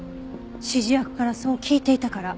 指示役からそう聞いていたから。